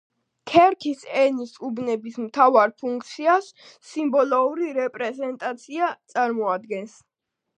ქერქის ენის უბნების მთავარ ფუნქციას სიმბოლური რეპრეზენტაცია წარმოადგენს.